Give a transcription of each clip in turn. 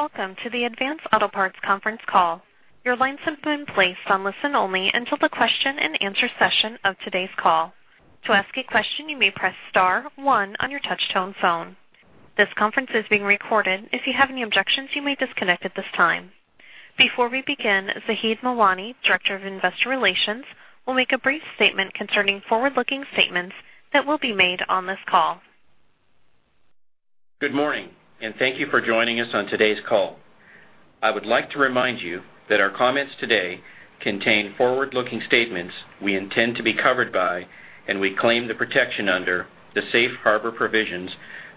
Welcome to the Advance Auto Parts conference call. Your lines have been placed on listen only until the question-and-answer session of today's call. To ask a question, you may press star one on your touch-tone phone. This conference is being recorded. If you have any objections, you may disconnect at this time. Before we begin, Zaheed Mawani, Director of Investor Relations, will make a brief statement concerning forward-looking statements that will be made on this call. Good morning, and thank you for joining us on today's call. I would like to remind you that our comments today contain forward-looking statements we intend to be covered by, and we claim the protection under, the safe harbor provisions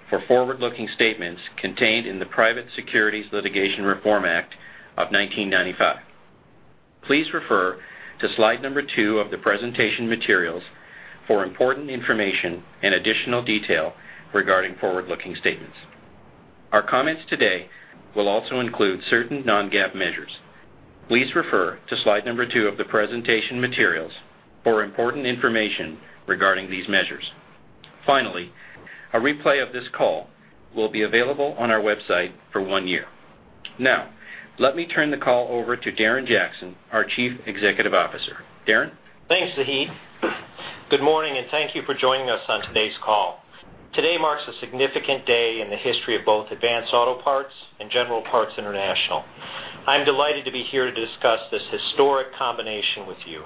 for forward-looking statements contained in the Private Securities Litigation Reform Act of 1995. Please refer to slide number two of the presentation materials for important information and additional detail regarding forward-looking statements. Our comments today will also include certain non-GAAP measures. Please refer to slide number two of the presentation materials for important information regarding these measures. Finally, a replay of this call will be available on our website for one year. Now, let me turn the call over to Darren Jackson, our Chief Executive Officer. Darren? Thanks, Zaheed. Good morning, and thank you for joining us on today's call. Today marks a significant day in the history of both Advance Auto Parts and General Parts International. I'm delighted to be here to discuss this historic combination with you.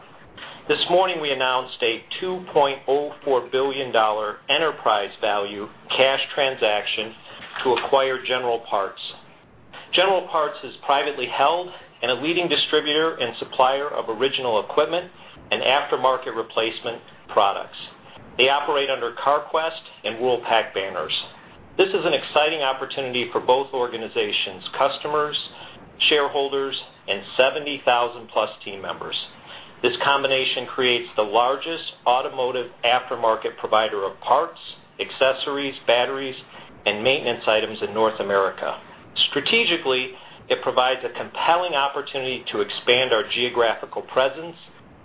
This morning, we announced a $2.04 billion enterprise value cash transaction to acquire General Parts. General Parts is privately held and a leading distributor and supplier of original equipment and aftermarket replacement products. They operate under Carquest and Worldpac banners. This is an exciting opportunity for both organizations' customers, shareholders, and 70,000-plus team members. This combination creates the largest automotive aftermarket provider of parts, accessories, batteries, and maintenance items in North America. Strategically, it provides a compelling opportunity to expand our geographical presence,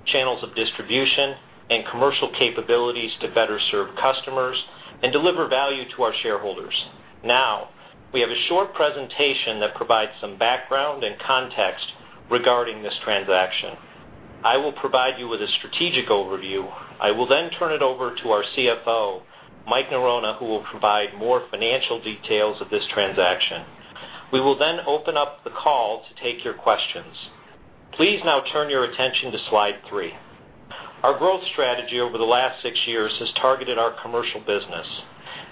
channels of distribution, and commercial capabilities to better serve customers and deliver value to our shareholders. Now, we have a short presentation that provides some background and context regarding this transaction. I will provide you with a strategic overview. I will then turn it over to our CFO, Mike Norona, who will provide more financial details of this transaction. We will then open up the call to take your questions. Please now turn your attention to slide three. Our growth strategy over the last six years has targeted our commercial business.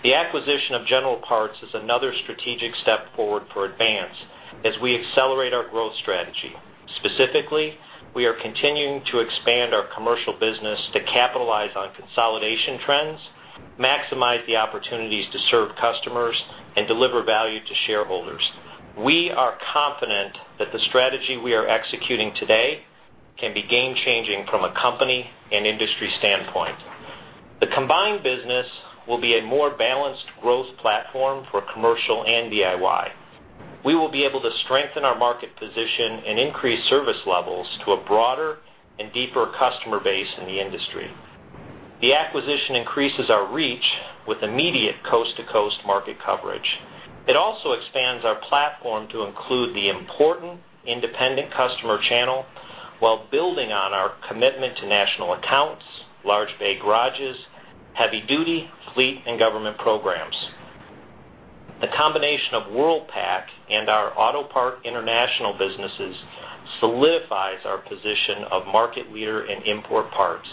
The acquisition of General Parts is another strategic step forward for Advance as we accelerate our growth strategy. Specifically, we are continuing to expand our commercial business to capitalize on consolidation trends, maximize the opportunities to serve customers, and deliver value to shareholders. We are confident that the strategy we are executing today can be game-changing from a company and industry standpoint. The combined business will be a more balanced growth platform for commercial and DIY. We will be able to strengthen our market position and increase service levels to a broader and deeper customer base in the industry. The acquisition increases our reach with immediate coast-to-coast market coverage. It also expands our platform to include the important independent customer channel while building on our commitment to national accounts, large bay garages, heavy duty, fleet, and government programs. The combination of Worldpac and our Autopart International businesses solidifies our position of market leader in import parts.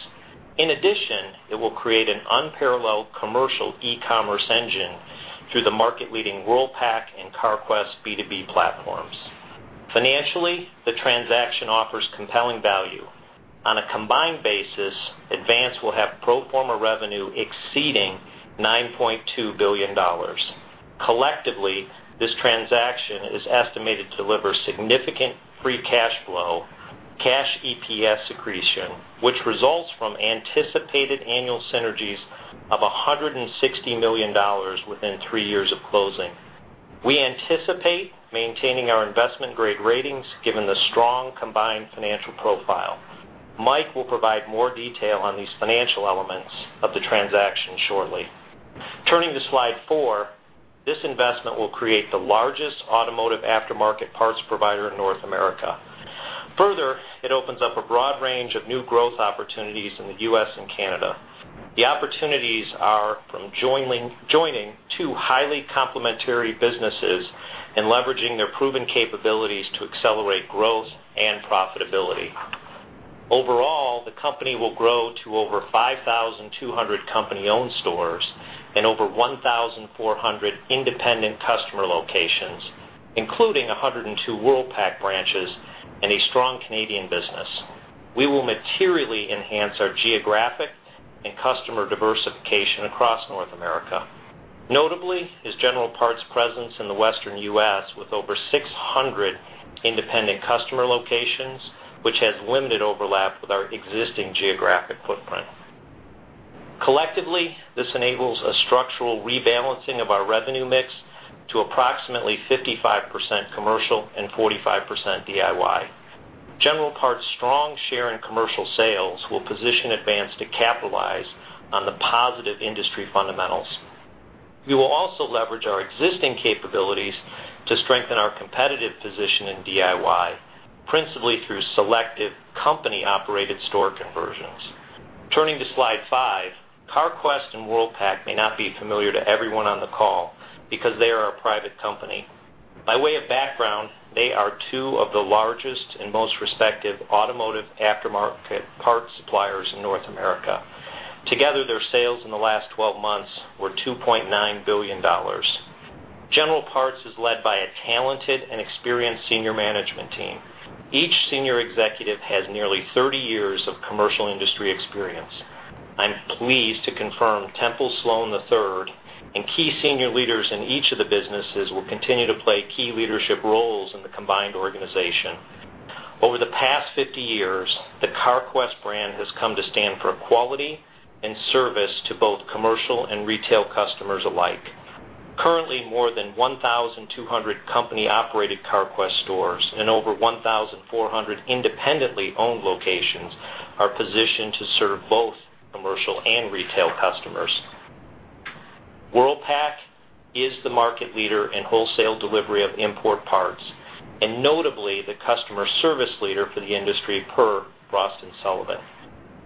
In addition, it will create an unparalleled commercial e-commerce engine through the market-leading Worldpac and Carquest B2B platforms. Financially, the transaction offers compelling value. On a combined basis, Advance will have pro forma revenue exceeding $9.2 billion. Collectively, this transaction is estimated to deliver significant free cash flow, cash EPS accretion, which results from anticipated annual synergies of $160 million within three years of closing. We anticipate maintaining our investment-grade ratings given the strong combined financial profile. Mike will provide more detail on these financial elements of the transaction shortly. Turning to slide four, this investment will create the largest automotive aftermarket parts provider in North America. Further, it opens up a broad range of new growth opportunities in the U.S. and Canada. The opportunities are from joining two highly complementary businesses and leveraging their proven capabilities to accelerate growth and profitability. Overall, the company will grow to over 5,200 company-owned stores and over 1,400 independent customer locations, including 102 Worldpac branches and a strong Canadian business. We will materially enhance our geographic and customer diversification across North America. Notably is General Parts' presence in the Western U.S. with over 600 independent customer locations, which has limited overlap with our existing geographic footprint. Collectively, this enables a structural rebalancing of our revenue mix to approximately 55% commercial and 45% DIY. General Parts' strong share in commercial sales will position Advance to capitalize on the positive industry fundamentals. We will also leverage our existing capabilities to strengthen our competitive position in DIY, principally through selective company-operated store conversions. Turning to slide five, Carquest and Worldpac may not be familiar to everyone on the call because they are a private company. By way of background, they are two of the largest and most respected automotive aftermarket parts suppliers in North America. Together, their sales in the last 12 months were $2.9 billion. Each senior executive has nearly 30 years of commercial industry experience. I'm pleased to confirm Temple Sloan III and key senior leaders in each of the businesses will continue to play key leadership roles in the combined organization. Over the past 50 years, the Carquest brand has come to stand for quality and service to both commercial and retail customers alike. Currently, more than 1,200 company-operated Carquest stores and over 1,400 independently owned locations are positioned to serve both commercial and retail customers. Worldpac is the market leader in wholesale delivery of import parts and notably, the customer service leader for the industry per Frost & Sullivan.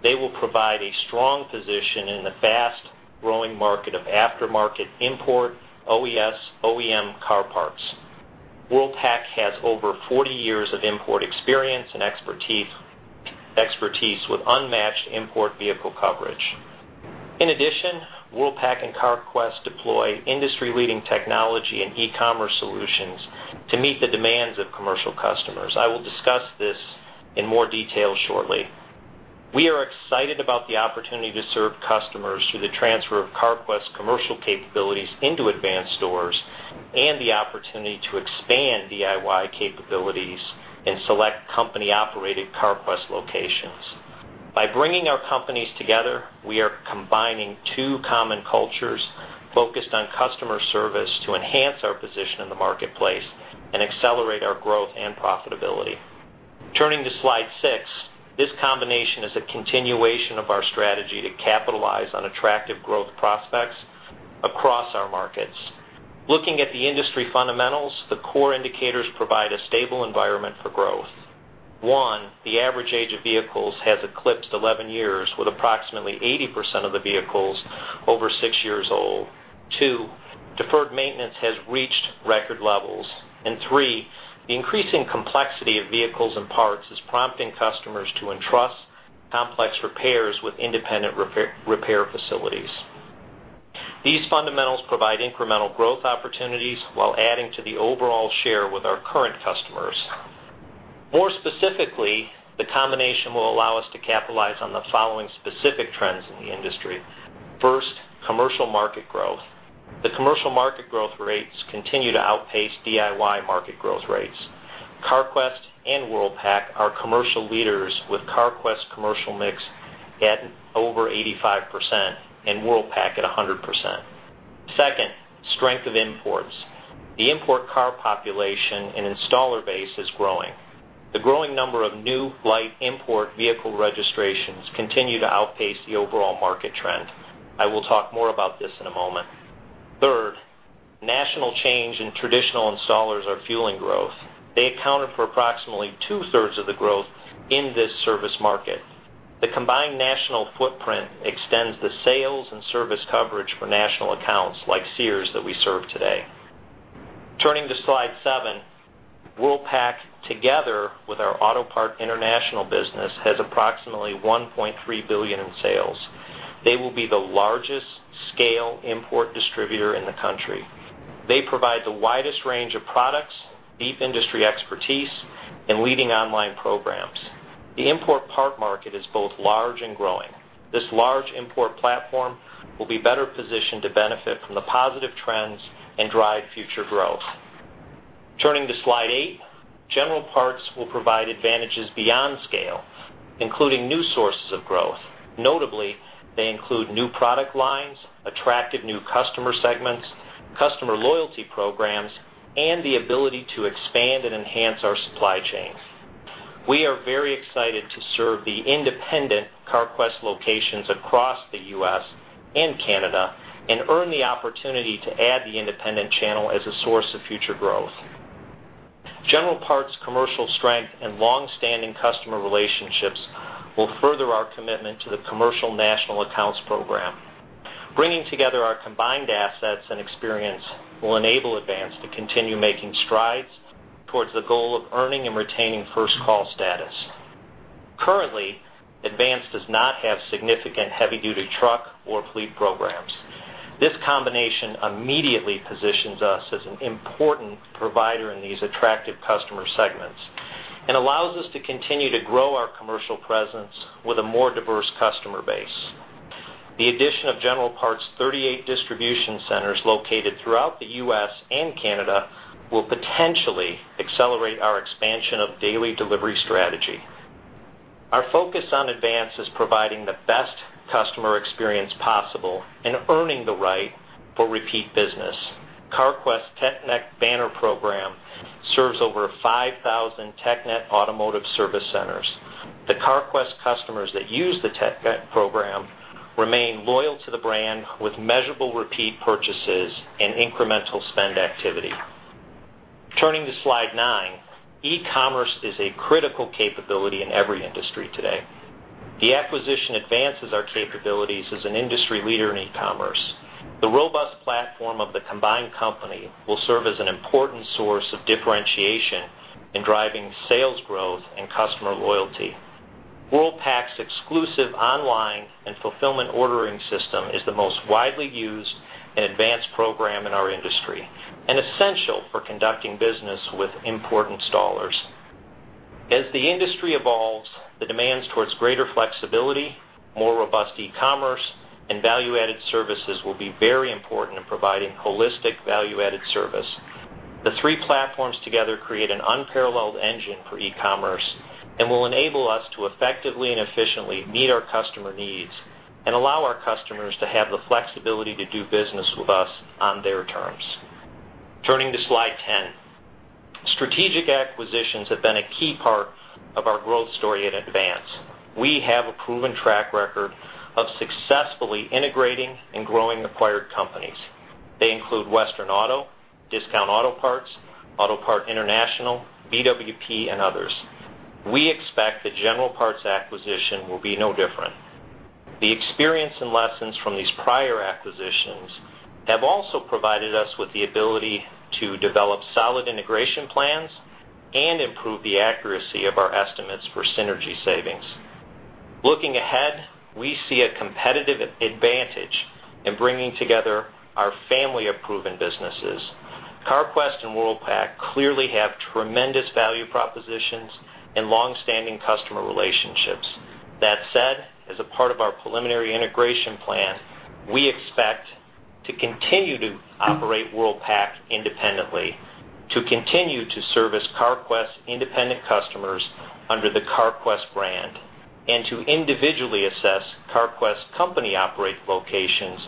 They will provide a strong position in the fast-growing market of aftermarket import, OES, OEM car parts. Worldpac has over 40 years of import experience and expertise with unmatched import vehicle coverage. In addition, Worldpac and Carquest deploy industry-leading technology and e-commerce solutions to meet the demands of commercial customers. I will discuss this in more detail shortly. We are excited about the opportunity to serve customers through the transfer of Carquest's commercial capabilities into Advance stores and the opportunity to expand DIY capabilities in select company-operated Carquest locations. By bringing our companies together, we are combining two common cultures focused on customer service to enhance our position in the marketplace and accelerate our growth and profitability. Turning to slide six. This combination is a continuation of our strategy to capitalize on attractive growth prospects across our markets. Looking at the industry fundamentals, the core indicators provide a stable environment for growth. One, the average age of vehicles has eclipsed 11 years, with approximately 80% of the vehicles over six years old. Two, deferred maintenance has reached record levels. Three, the increasing complexity of vehicles and parts is prompting customers to entrust complex repairs with independent repair facilities. These fundamentals provide incremental growth opportunities while adding to the overall share with our current customers. More specifically, the combination will allow us to capitalize on the following specific trends in the industry. First, commercial market growth. The commercial market growth rates continue to outpace DIY market growth rates. Carquest and Worldpac are commercial leaders, with Carquest's commercial mix at over 85% and Worldpac at 100%. Second, strength of imports. The import car population and installer base is growing. The growing number of new light import vehicle registrations continue to outpace the overall market trend. I will talk more about this in a moment. Third, national change and traditional installers are fueling growth. They accounted for approximately two-thirds of the growth in this service market. The combined national footprint extends the sales and service coverage for national accounts like Sears that we serve today. Turning to slide seven. Worldpac, together with our Autopart International business, has approximately $1.3 billion in sales. They will be the largest scale import distributor in the country. They provide the widest range of products, deep industry expertise, and leading online programs. The import part market is both large and growing. This large import platform will be better positioned to benefit from the positive trends and drive future growth. Turning to slide eight. General Parts will provide advantages beyond scale, including new sources of growth. Notably, they include new product lines, attractive new customer segments, customer loyalty programs, and the ability to expand and enhance our supply chain. We are very excited to serve the independent Carquest locations across the U.S. and Canada and earn the opportunity to add the independent channel as a source of future growth. General Parts' commercial strength and long-standing customer relationships will further our commitment to the commercial national accounts program. Bringing together our combined assets and experience will enable Advance to continue making strides towards the goal of earning and retaining first-call status. Currently, Advance does not have significant heavy-duty truck or fleet programs. This combination immediately positions us as an important provider in these attractive customer segments and allows us to continue to grow our commercial presence with a more diverse customer base. The addition of General Parts' 38 DCs located throughout the U.S. and Canada will potentially accelerate our expansion of daily delivery strategy. Our focus on Advance is providing the best customer experience possible and earning the right for repeat business. Carquest TechNet banner program serves over 5,000 TechNet automotive service centers. The Carquest customers that use the TechNet program remain loyal to the brand with measurable repeat purchases and incremental spend activity. Turning to slide nine, e-commerce is a critical capability in every industry today. The acquisition advances our capabilities as an industry leader in e-commerce. The robust platform of the combined company will serve as an important source of differentiation in driving sales growth and customer loyalty. Worldpac's exclusive online and fulfillment ordering system is the most widely used and advanced program in our industry, and essential for conducting business with import installers. As the industry evolves, the demands towards greater flexibility, more robust e-commerce, and value-added services will be very important in providing holistic value-added service. The three platforms together create an unparalleled engine for e-commerce and will enable us to effectively and efficiently meet our customer needs and allow our customers to have the flexibility to do business with us on their terms. Turning to slide 10. Strategic acquisitions have been a key part of our growth story at Advance. We have a proven track record of successfully integrating and growing acquired companies. They include Western Auto, Discount Auto Parts, Autopart International, BWP, and others. We expect the General Parts acquisition will be no different. The experience and lessons from these prior acquisitions have also provided us with the ability to develop solid integration plans and improve the accuracy of our estimates for synergy savings. Looking ahead, we see a competitive advantage in bringing together our family of proven businesses. Carquest and Worldpac clearly have tremendous value propositions and long-standing customer relationships. That said, as a part of our preliminary integration plan, we expect to continue to operate Worldpac independently, to continue to service Carquest's independent customers under the Carquest brand, and to individually assess Carquest's company-operated locations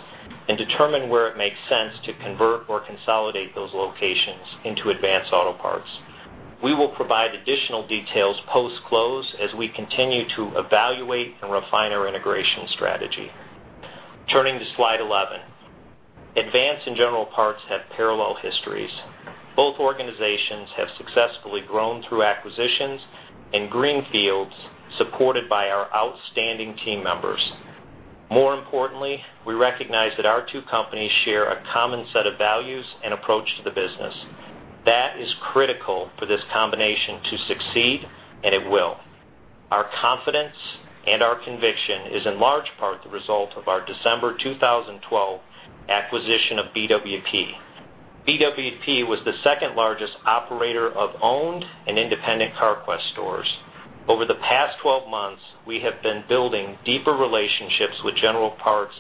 and determine where it makes sense to convert or consolidate those locations into Advance Auto Parts. We will provide additional details post-close as we continue to evaluate and refine our integration strategy. Turning to slide 11. Advance and General Parts have parallel histories. Both organizations have successfully grown through acquisitions and greenfields supported by our outstanding team members. More importantly, we recognize that our two companies share a common set of values and approach to the business. That is critical for this combination to succeed, and it will. Our confidence and our conviction is, in large part, the result of our December 2012 acquisition of BWP. BWP was the second-largest operator of owned and independent Carquest stores. Over the past 12 months, we have been building deeper relationships with General Parts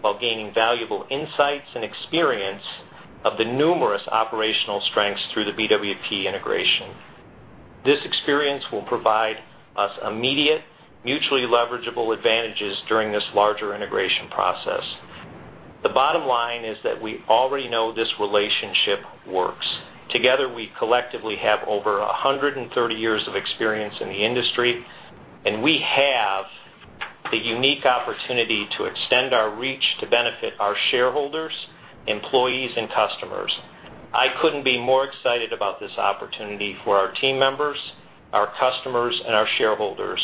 while gaining valuable insights and experience of the numerous operational strengths through the BWP integration. This experience will provide us immediate, mutually leverageable advantages during this larger integration process. The bottom line is that we already know this relationship works. Together, we collectively have over 130 years of experience in the industry, and we have the unique opportunity to extend our reach to benefit our shareholders, employees, and customers. I couldn't be more excited about this opportunity for our team members, our customers, and our shareholders,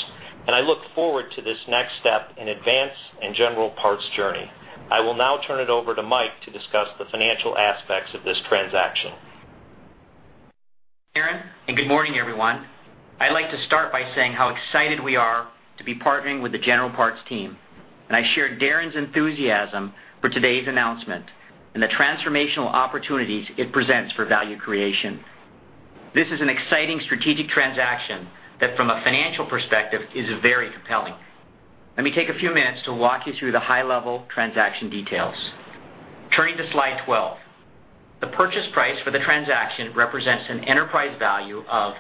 and I look forward to this next step in Advance and General Parts' journey. I will now turn it over to Mike to discuss the financial aspects of this transaction. Darren, good morning, everyone. I'd like to start by saying how excited we are to be partnering with the General Parts team, and I share Darren's enthusiasm for today's announcement and the transformational opportunities it presents for value creation. This is an exciting strategic transaction that, from a financial perspective, is very compelling. Let me take a few minutes to walk you through the high-level transaction details. Turning to slide 12. The purchase price for the transaction represents an enterprise value of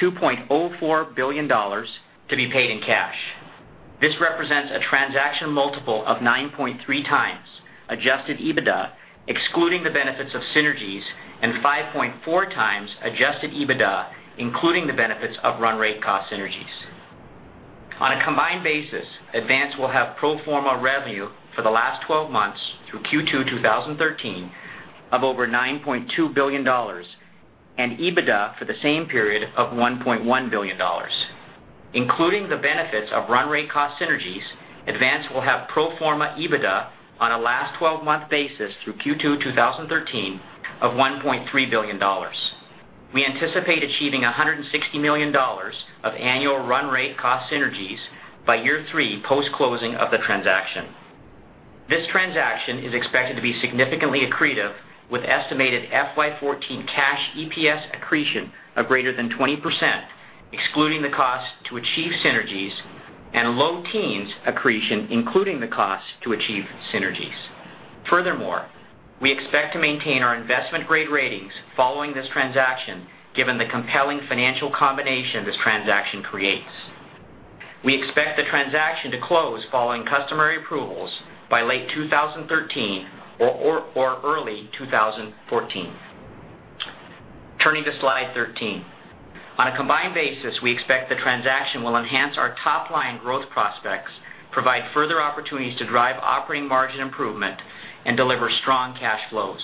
$2.04 billion to be paid in cash. This represents a transaction multiple of 9.3x adjusted EBITDA, excluding the benefits of synergies, and 5.4x adjusted EBITDA, including the benefits of run-rate cost synergies. On a combined basis, Advance will have pro forma revenue for the last 12 months through Q2 2013 of over $9.2 billion, and EBITDA for the same period of $1.1 billion. Including the benefits of run-rate cost synergies, Advance will have pro forma EBITDA on a last-12-month basis through Q2 2013 of $1.3 billion. We anticipate achieving $160 million of annual run-rate cost synergies by year three post-closing of the transaction. This transaction is expected to be significantly accretive, with estimated FY 2014 cash EPS accretion of greater than 20%, excluding the cost to achieve synergies, and low teens accretion, including the cost to achieve synergies. Furthermore, we expect to maintain our investment-grade ratings following this transaction, given the compelling financial combination this transaction creates. We expect the transaction to close following customary approvals by late 2013 or early 2014. Turning to slide 13. On a combined basis, we expect the transaction will enhance our top-line growth prospects, provide further opportunities to drive operating margin improvement, and deliver strong cash flows.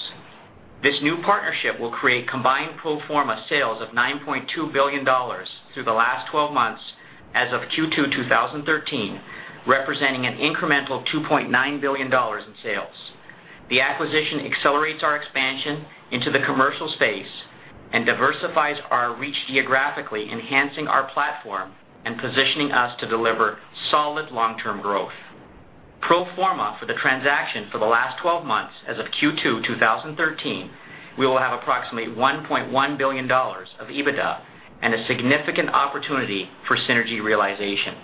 This new partnership will create combined pro forma sales of $9.2 billion through the last 12 months as of Q2 2013, representing an incremental $2.9 billion in sales. The acquisition accelerates our expansion into the commercial space and diversifies our reach geographically, enhancing our platform and positioning us to deliver solid long-term growth. Pro forma for the transaction for the last 12 months as of Q2 2013, we will have approximately $1.1 billion of EBITDA and a significant opportunity for synergy realization.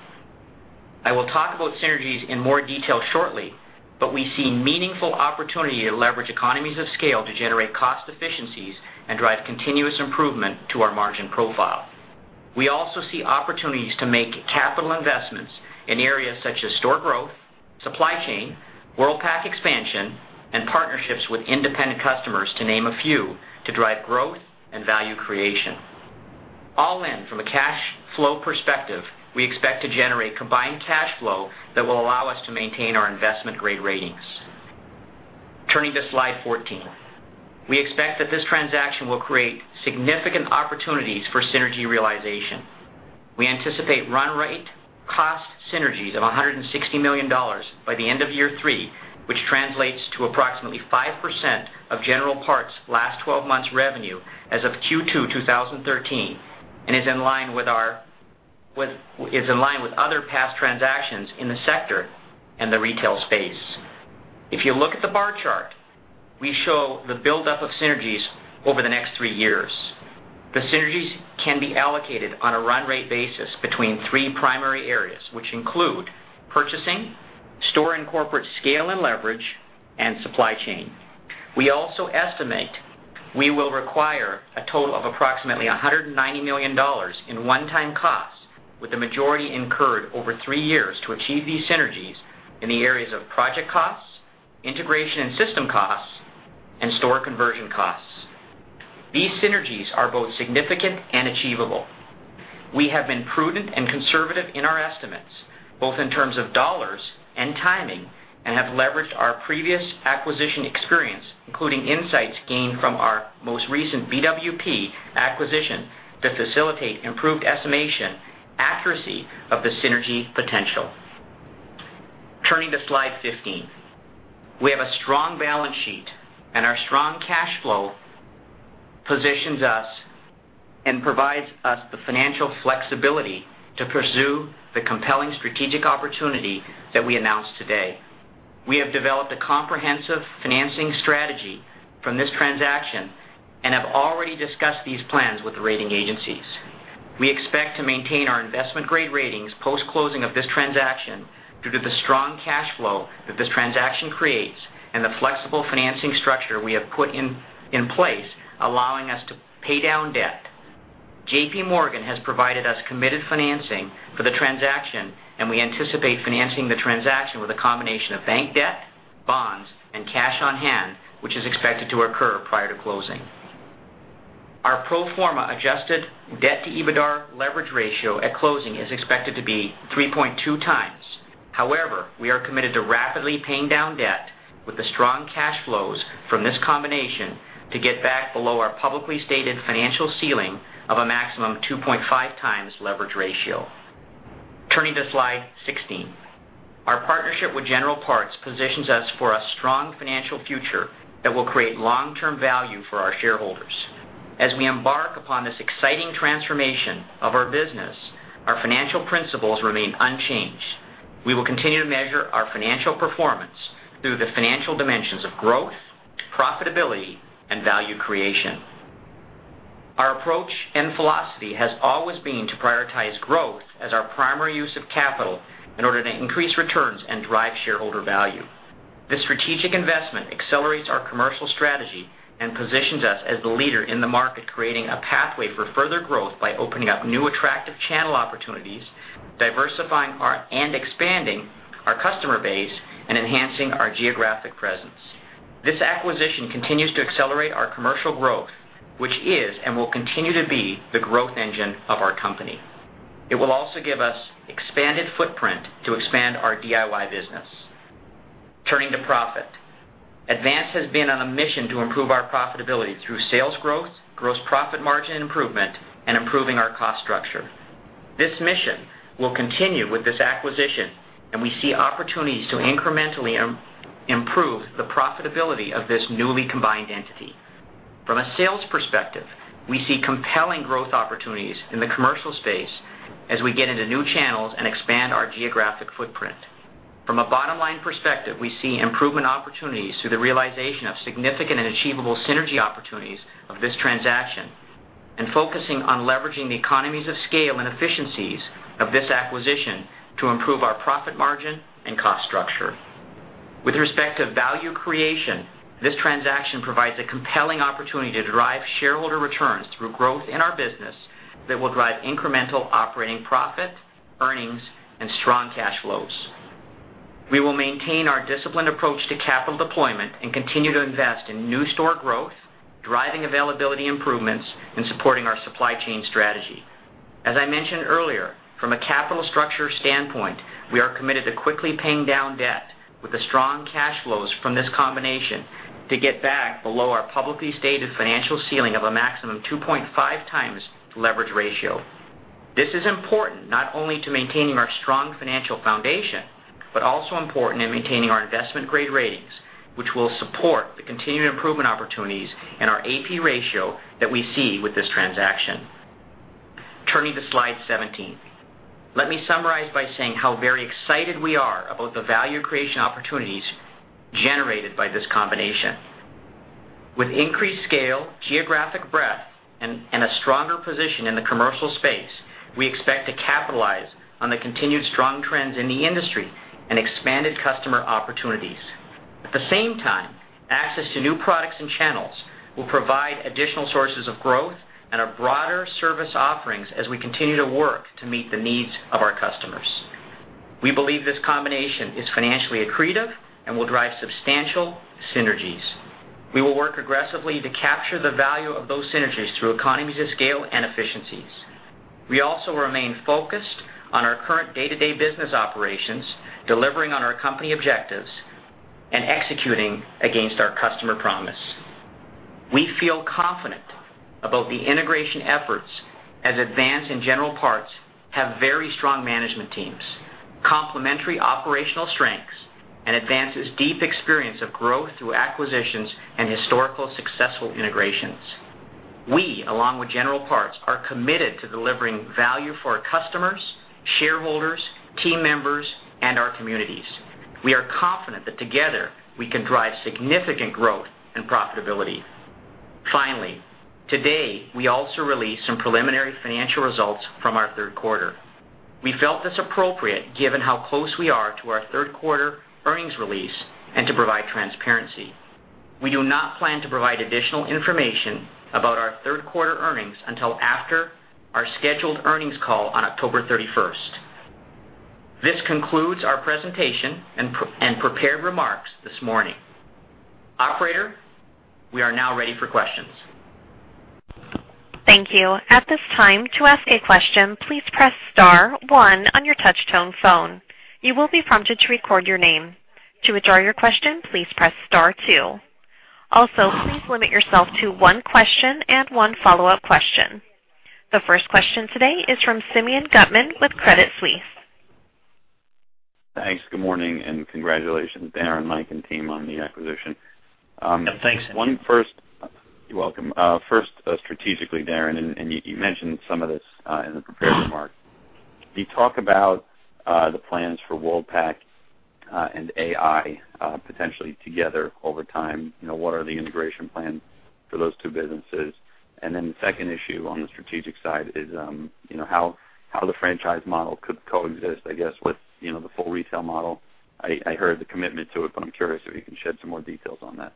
I will talk about synergies in more detail shortly, but we see meaningful opportunity to leverage economies of scale to generate cost efficiencies and drive continuous improvement to our margin profile. We also see opportunities to make capital investments in areas such as store growth, supply chain, Worldpac expansion, and partnerships with independent customers, to name a few, to drive growth and value creation. All in, from a cash flow perspective, we expect to generate combined cash flow that will allow us to maintain our investment-grade ratings. Turning to slide 14. We expect that this transaction will create significant opportunities for synergy realization. We anticipate run rate cost synergies of $160 million by the end of year three, which translates to approximately 5% of General Parts' last 12 months revenue as of Q2 2013, and is in line with other past transactions in the sector and the retail space. If you look at the bar chart, we show the buildup of synergies over the next three years. The synergies can be allocated on a run-rate basis between three primary areas, which include purchasing, store and corporate scale and leverage, and supply chain. We also estimate we will require a total of approximately $190 million in one-time costs, with the majority incurred over three years, to achieve these synergies in the areas of project costs, integration and system costs, and store conversion costs. These synergies are both significant and achievable. We have been prudent and conservative in our estimates, both in terms of dollars and timing, and have leveraged our previous acquisition experience, including insights gained from our most recent BWP acquisition, to facilitate improved estimation accuracy of the synergy potential. Turning to slide 15. We have a strong balance sheet, and our strong cash flow positions us and provides us the financial flexibility to pursue the compelling strategic opportunity that we announced today. We have developed a comprehensive financing strategy from this transaction and have already discussed these plans with the rating agencies. We expect to maintain our investment-grade ratings post-closing of this transaction due to the strong cash flow that this transaction creates and the flexible financing structure we have put in place, allowing us to pay down debt. JPMorgan has provided us committed financing for the transaction. We anticipate financing the transaction with a combination of bank debt, bonds, and cash on hand, which is expected to occur prior to closing. Our pro forma adjusted debt-to-EBITDA leverage ratio at closing is expected to be 3.2 times. We are committed to rapidly paying down debt with the strong cash flows from this combination to get back below our publicly stated financial ceiling of a maximum 2.5 times leverage ratio. Turning to slide 16. Our partnership with General Parts positions us for a strong financial future that will create long-term value for our shareholders. As we embark upon this exciting transformation of our business, our financial principles remain unchanged. We will continue to measure our financial performance through the financial dimensions of growth, profitability, and value creation. Our approach and philosophy has always been to prioritize growth as our primary use of capital in order to increase returns and drive shareholder value. This strategic investment accelerates our commercial strategy and positions us as the leader in the market, creating a pathway for further growth by opening up new attractive channel opportunities, diversifying and expanding our customer base, and enhancing our geographic presence. This acquisition continues to accelerate our commercial growth, which is and will continue to be the growth engine of our company. It will also give us expanded footprint to expand our DIY business. Turning to profit. Advance has been on a mission to improve our profitability through sales growth, gross profit margin improvement, and improving our cost structure. This mission will continue with this acquisition, and we see opportunities to incrementally improve the profitability of this newly combined entity. From a sales perspective, we see compelling growth opportunities in the commercial space as we get into new channels and expand our geographic footprint. From a bottom-line perspective, we see improvement opportunities through the realization of significant and achievable synergy opportunities of this transaction. Focusing on leveraging the economies of scale and efficiencies of this acquisition to improve our profit margin and cost structure. With respect to value creation, this transaction provides a compelling opportunity to derive shareholder returns through growth in our business that will drive incremental operating profit, earnings, and strong cash flows. We will maintain our disciplined approach to capital deployment and continue to invest in new store growth, driving availability improvements, and supporting our supply chain strategy. As I mentioned earlier, from a capital structure standpoint, we are committed to quickly paying down debt with the strong cash flows from this combination to get back below our publicly stated financial ceiling of a maximum 2.5 times leverage ratio. This is important not only to maintaining our strong financial foundation, but also important in maintaining our investment-grade ratings, which will support the continued improvement opportunities and our AP ratio that we see with this transaction. Turning to slide 17. Let me summarize by saying how very excited we are about the value creation opportunities generated by this combination. With increased scale, geographic breadth, and a stronger position in the commercial space, we expect to capitalize on the continued strong trends in the industry and expanded customer opportunities. At the same time, access to new products and channels will provide additional sources of growth and our broader service offerings as we continue to work to meet the needs of our customers. We believe this combination is financially accretive and will drive substantial synergies. We will work aggressively to capture the value of those synergies through economies of scale and efficiencies. We also remain focused on our current day-to-day business operations, delivering on our company objectives, and executing against our customer promise. We feel confident about the integration efforts as Advance and General Parts have very strong management teams, complementary operational strengths, and Advance's deep experience of growth through acquisitions and historical successful integrations. We, along with General Parts, are committed to delivering value for our customers, shareholders, team members, and our communities. We are confident that together, we can drive significant growth and profitability. Finally, today, we also released some preliminary financial results from our third quarter. We felt this appropriate given how close we are to our third quarter earnings release and to provide transparency. We do not plan to provide additional information about our third-quarter earnings until after our scheduled earnings call on October 31st. This concludes our presentation and prepared remarks this morning. Operator, we are now ready for questions. Thank you. At this time, to ask a question, please press star one on your touch-tone phone. You will be prompted to record your name. To withdraw your question, please press star two. Also, please limit yourself to one question and one follow-up question. The first question today is from Simeon Gutman with Credit Suisse. Thanks. Good morning, congratulations, Darren, Mike, and team on the acquisition. Thanks. You're welcome. First, strategically, Darren, you mentioned some of this in the prepared remarks. Can you talk about the plans for Worldpac and AI potentially together over time? What are the integration plans for those two businesses? The second issue on the strategic side is, how the franchise model could coexist, I guess, with the full retail model. I heard the commitment to it, but I'm curious if you can shed some more details on that.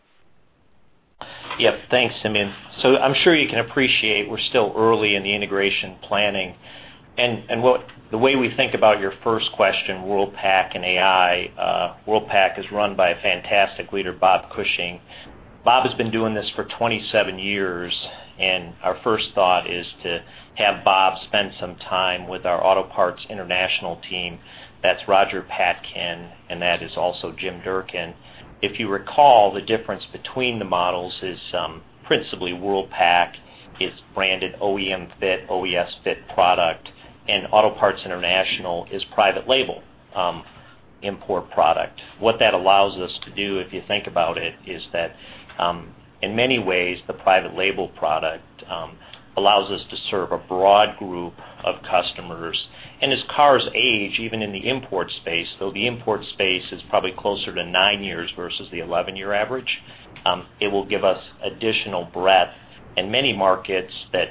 Yeah. Thanks, Simeon. I'm sure you can appreciate we're still early in the integration planning. The way we think about your first question, Worldpac and AI, Worldpac is run by a fantastic leader, Robert Cushing. Bob has been doing this for 27 years, our first thought is to have Bob spend some time with our Autopart International team. That's Roger Patkin, that is also Jim Durkin. If you recall, the difference between the models is principally Worldpac is branded OEM fit, OES fit product, Autopart International is private label import product. That allows us to do, if you think about it, is that, in many ways, the private label product allows us to serve a broad group of customers. As cars age, even in the import space, though the import space is probably closer to nine years versus the 11-year average, it will give us additional breadth in many markets that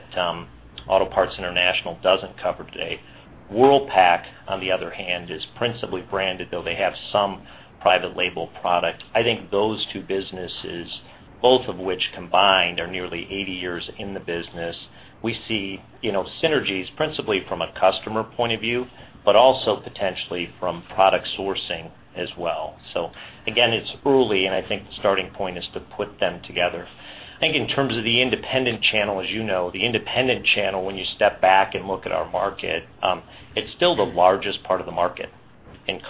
Autopart International doesn't cover today. Worldpac, on the other hand, is principally branded, though they have some private label product. I think those two businesses, both of which combined are nearly 80 years in the business. We see synergies principally from a customer point of view, but also potentially from product sourcing as well. Again, it's early, and I think the starting point is to put them together. I think in terms of the independent channel, as you know, the independent channel, when you step back and look at our market, it's still the largest part of the market.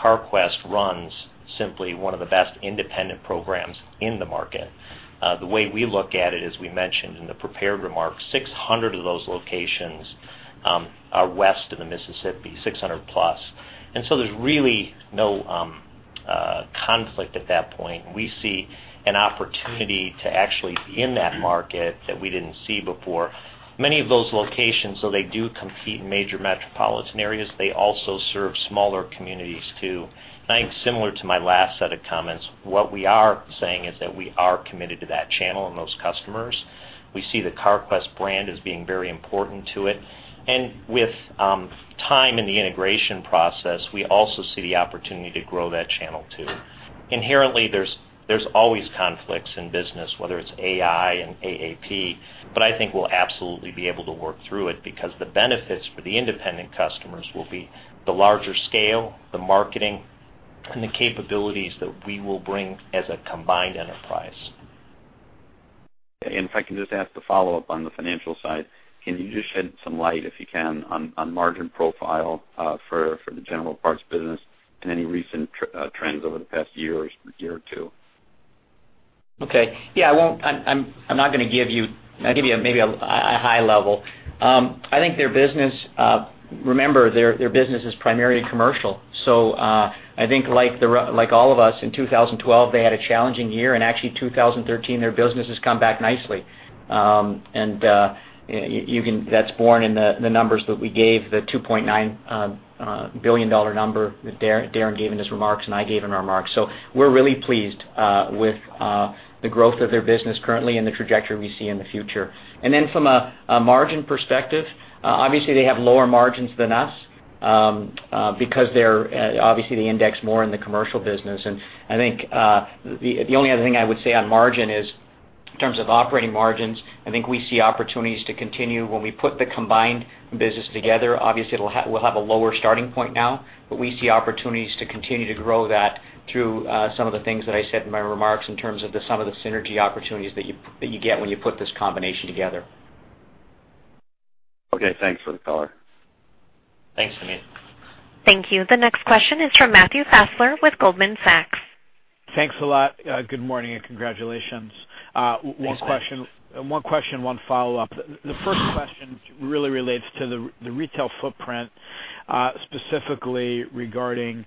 Carquest runs simply one of the best independent programs in the market. The way we look at it, as we mentioned in the prepared remarks, 600 of those locations are west of the Mississippi, 600-plus. There's really no Conflict at that point, we see an opportunity to actually be in that market that we didn't see before. Many of those locations, though they do compete in major metropolitan areas, they also serve smaller communities, too. I think similar to my last set of comments, what we are saying is that we are committed to that channel and those customers. We see the Carquest brand as being very important to it. With time in the integration process, we also see the opportunity to grow that channel, too. Inherently, there's always conflicts in business, whether it's AI and AAP, but I think we'll absolutely be able to work through it because the benefits for the independent customers will be the larger scale, the marketing, and the capabilities that we will bring as a combined enterprise. If I can just ask the follow-up on the financial side, can you just shed some light, if you can, on margin profile for the General Parts business and any recent trends over the past year or two? Okay. Yeah, I'm not going to give you. I'll give you maybe a high level. I think their business, remember, their business is primarily commercial. I think like all of us in 2012, they had a challenging year, and actually 2013, their business has come back nicely. That's born in the numbers that we gave, the $2.9 billion number that Darren gave in his remarks and I gave in our remarks. We're really pleased with the growth of their business currently and the trajectory we see in the future. From a margin perspective, obviously they have lower margins than us, because they're obviously the index more in the commercial business. I think the only other thing I would say on margin is in terms of operating margins, I think we see opportunities to continue when we put the combined business together. Obviously, we'll have a lower starting point now, but we see opportunities to continue to grow that through some of the things that I said in my remarks in terms of some of the synergy opportunities that you get when you put this combination together. Okay. Thanks for the color. Thanks, Simeon. Thank you. The next question is from Matthew Fassler with Goldman Sachs. Thanks a lot. Good morning, congratulations. Thanks, Matt. One question, one follow-up. The first question really relates to the retail footprint, specifically regarding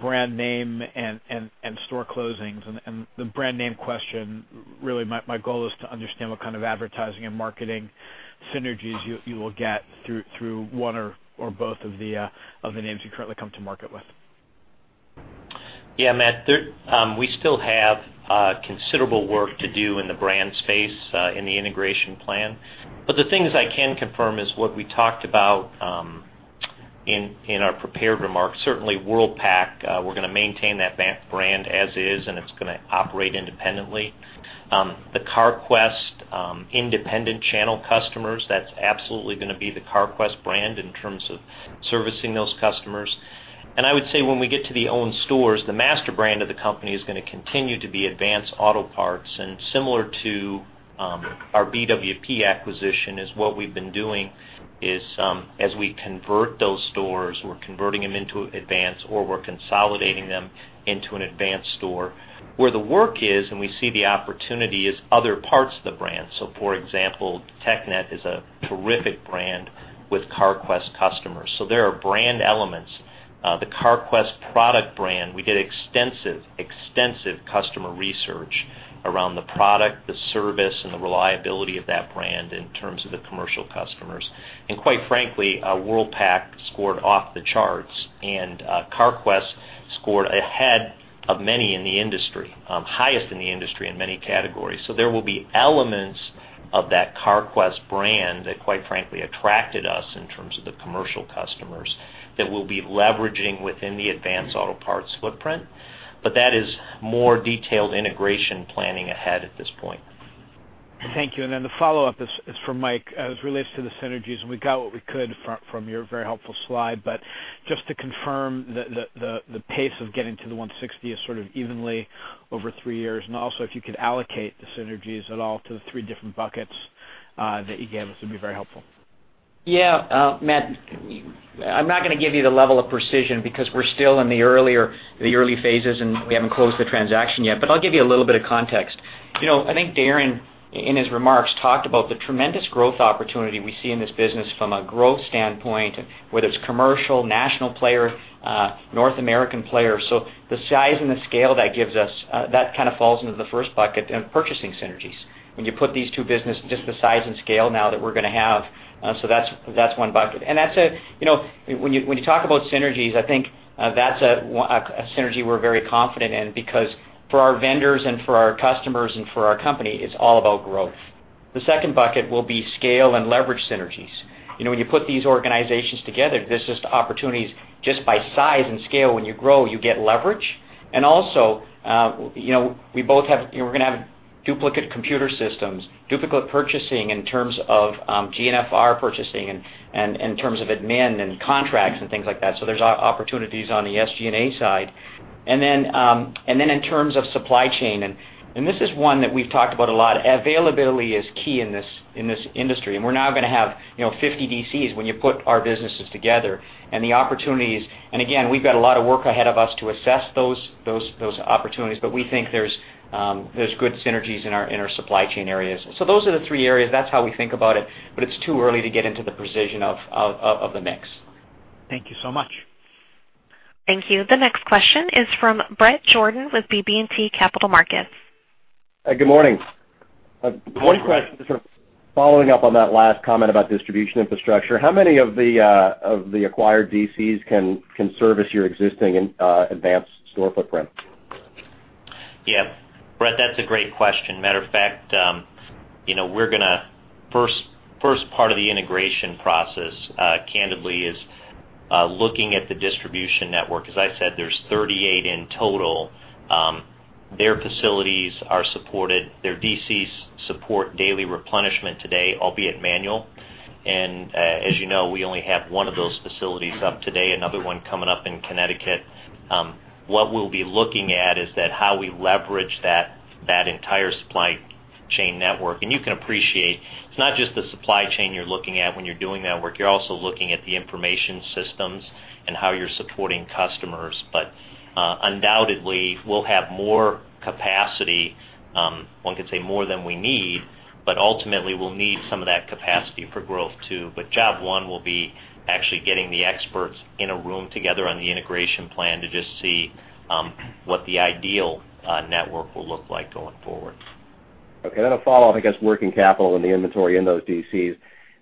brand name and store closings. The brand name question, really, my goal is to understand what kind of advertising and marketing synergies you will get through one or both of the names you currently come to market with. Matt, we still have considerable work to do in the brand space in the integration plan. The things I can confirm is what we talked about in our prepared remarks. Certainly, Worldpac, we're going to maintain that brand as is, and it's going to operate independently. The Carquest independent channel customers, that's absolutely going to be the Carquest brand in terms of servicing those customers. I would say when we get to the owned stores, the master brand of the company is going to continue to be Advance Auto Parts. Similar to our BWP acquisition is what we've been doing is, as we convert those stores, we're converting them into Advance, or we're consolidating them into an Advance store. Where the work is, and we see the opportunity, is other parts of the brand. For example, TechNet is a terrific brand with Carquest customers. There are brand elements. The Carquest product brand, we did extensive customer research around the product, the service, and the reliability of that brand in terms of the commercial customers. Quite frankly, Worldpac scored off the charts, and Carquest scored ahead of many in the industry, highest in the industry in many categories. There will be elements of that Carquest brand that, quite frankly, attracted us in terms of the commercial customers that we'll be leveraging within the Advance Auto Parts footprint. That is more detailed integration planning ahead at this point. Thank you. The follow-up is from Mike, as it relates to the synergies, and we got what we could from your very helpful slide. Just to confirm, the pace of getting to the $160 is sort of evenly over three years. Also, if you could allocate the synergies at all to the three different buckets, that you gave us, it'd be very helpful. Matt, I'm not going to give you the level of precision because we're still in the early phases, and we haven't closed the transaction yet. I'll give you a little bit of context. I think Darren, in his remarks, talked about the tremendous growth opportunity we see in this business from a growth standpoint, whether it's commercial, national player, North American player. The size and the scale that gives us, that kind of falls into the first bucket of purchasing synergies. When you put these two business, just the size and scale now that we're going to have, that's one bucket. When you talk about synergies, I think that's a synergy we're very confident in because for our vendors and for our customers and for our company, it's all about growth. The second bucket will be scale and leverage synergies. When you put these organizations together, there's just opportunities just by size and scale. When you grow, you get leverage. Also, we're going to have duplicate computer systems, duplicate purchasing in terms of GNFR purchasing and in terms of admin and contracts and things like that. There's opportunities on the SG&A side. In terms of supply chain, and this is one that we've talked about a lot. Availability is key in this industry. We're now going to have 50 DCs when you put our businesses together. The opportunities, and again, we've got a lot of work ahead of us to assess those opportunities, but we think there's good synergies in our supply chain areas. Those are the three areas. That's how we think about it, but it's too early to get into the precision of the mix. Thank you so much. Thank you. The next question is from Bret Jordan with BB&T Capital Markets. Good morning. Good morning. One question, just following up on that last comment about distribution infrastructure, how many of the acquired DCs can service your existing Advance store footprint? Yeah. Bret, that's a great question. Matter of fact, first part of the integration process, candidly, is looking at the distribution network. As I said, there's 38 in total. Their facilities are supported. Their DCs support daily replenishment today, albeit manual. As you know, we only have one of those facilities up today, another one coming up in Connecticut. What we'll be looking at is that how we leverage that entire supply chain network. You can appreciate, it's not just the supply chain you're looking at when you're doing that work. You're also looking at the information systems and how you're supporting customers. Undoubtedly, we'll have more capacity, one could say more than we need, but ultimately we'll need some of that capacity for growth, too. Job one will be actually getting the experts in a room together on the integration plan to just see what the ideal network will look like going forward. Okay, a follow-up, I guess, working capital and the inventory in those DCs.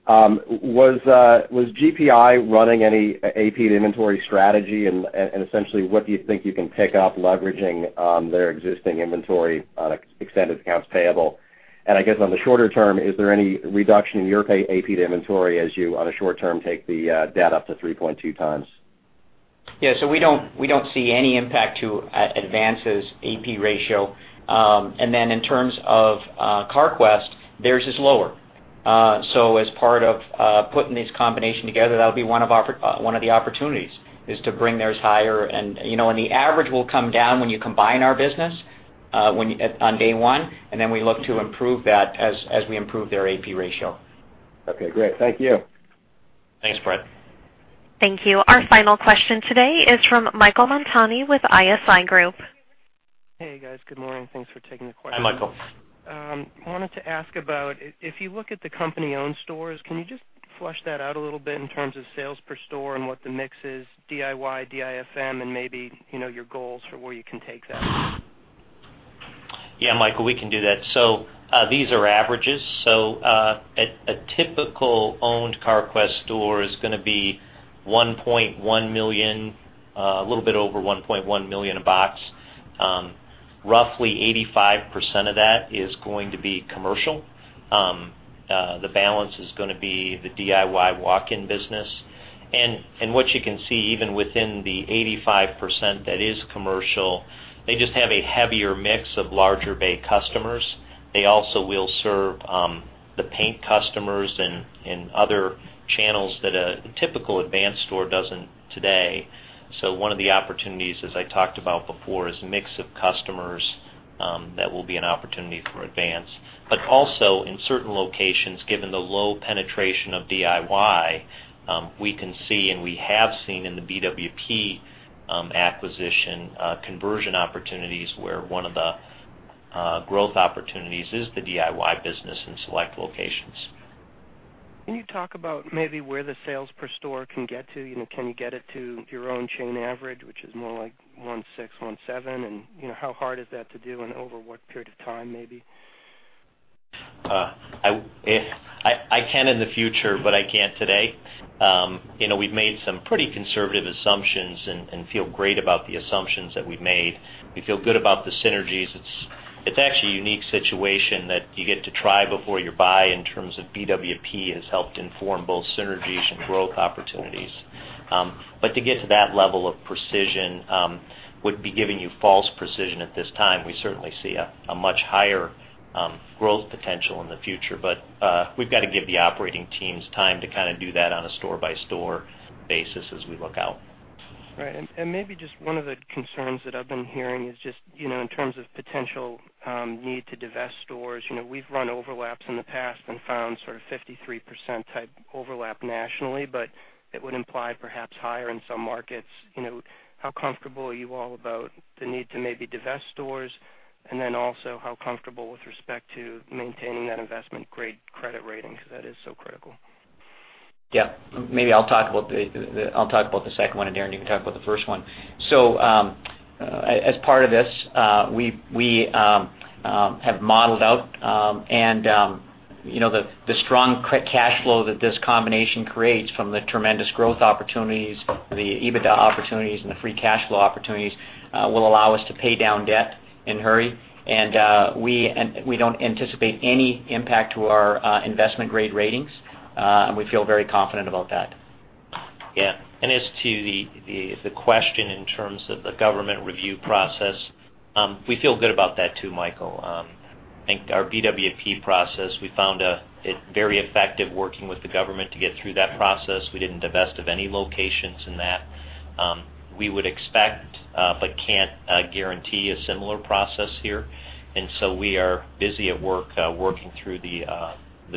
Was GPI running any AP to inventory strategy? Essentially, what do you think you can pick up leveraging their existing inventory on extended accounts payable? I guess on the shorter term, is there any reduction in your AP to inventory as you, on a short term, take the debt up to 3.2 times? We don't see any impact to Advance's AP ratio. In terms of Carquest, theirs is lower. As part of putting this combination together, that'll be one of the opportunities, is to bring theirs higher. The average will come down when you combine our business on day one, we look to improve that as we improve their AP ratio. Okay, great. Thank you. Thanks, Bret. Thank you. Our final question today is from Michael Montani with Evercore ISI. Hey, guys. Good morning. Thanks for taking the question. Hi, Michael. I wanted to ask about, if you look at the company-owned stores, can you just flesh that out a little bit in terms of sales per store and what the mix is, DIY, DIFM, and maybe your goals for where you can take that? Yeah, Michael, we can do that. These are averages. A typical owned Carquest store is going to be $1.1 million, a little bit over $1.1 million a box. Roughly 85% of that is going to be commercial. The balance is going to be the DIY walk-in business. What you can see, even within the 85% that is commercial, they just have a heavier mix of larger bay customers. They also will serve the paint customers and other channels that a typical Advance store doesn't today. One of the opportunities, as I talked about before, is mix of customers. That will be an opportunity for Advance. Also, in certain locations, given the low penetration of DIY, we can see and we have seen in the BWP acquisition conversion opportunities where one of the growth opportunities is the DIY business in select locations. Can you talk about maybe where the sales per store can get to? Can you get it to your own chain average, which is more like $1.6 million, $1.7 million? How hard is that to do, and over what period of time, maybe? I can in the future, but I can't today. We've made some pretty conservative assumptions and feel great about the assumptions that we've made. We feel good about the synergies. It's actually a unique situation that you get to try before you buy in terms of BWP has helped inform both synergies and growth opportunities. To get to that level of precision would be giving you false precision at this time. We certainly see a much higher growth potential in the future. We've got to give the operating teams time to kind of do that on a store-by-store basis as we look out. Right. Maybe just one of the concerns that I've been hearing is just in terms of potential need to divest stores. We've run overlaps in the past and found sort of 53% type overlap nationally, but it would imply perhaps higher in some markets. How comfortable are you all about the need to maybe divest stores? How comfortable with respect to maintaining that investment-grade credit rating, because that is so critical. Yeah. Maybe I'll talk about the second one, and Darren, you can talk about the first one. As part of this, we have modeled out and the strong cash flow that this combination creates from the tremendous growth opportunities, the EBITDA opportunities, and the free cash flow opportunities will allow us to pay down debt in a hurry. We don't anticipate any impact to our investment-grade ratings. We feel very confident about that. Yeah. As to the question in terms of the government review process, we feel good about that, too, Michael. I think our BWP process, we found it very effective working with the government to get through that process. We didn't divest of any locations in that. We would expect, but can't guarantee a similar process here. We are busy at work, working through the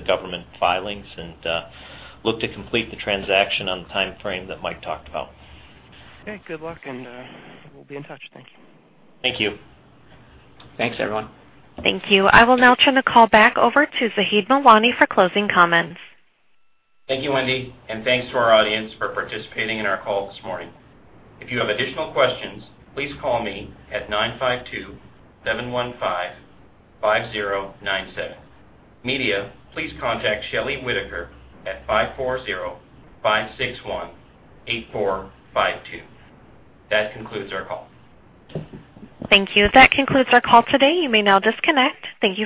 government filings and look to complete the transaction on the timeframe that Mike talked about. Okay, good luck, and we'll be in touch. Thank you. Thank you. Thanks, everyone. Thank you. I will now turn the call back over to Zaheed Mawani for closing comments. Thank you, Wendy. Thanks to our audience for participating in our call this morning. If you have additional questions, please call me at 952-715-5097. Media, please contact Shelley Whitaker at 540-561-8452. That concludes our call. Thank you. That concludes our call today. You may now disconnect. Thank you for your participation.